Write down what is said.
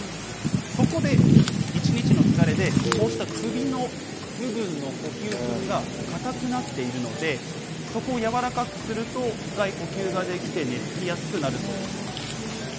そこで、一日の疲れでこうした首の部分の呼吸筋が硬くなっているので、そこを柔らかくすると、深い呼吸ができて寝付きやすくなるそうです。